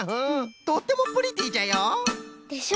とってもプリティーじゃよ！でしょ？